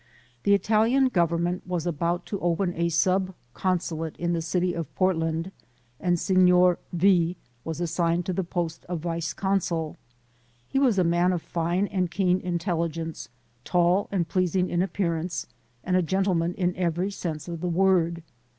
The Italian Government was about to open a sub consulate in the city of Portland, and Signor V was assigned to the post of Vice Consul. He was a man of fine and keen intelligence, tall and pleasing in appearance, and a gentleman in every sense of the word.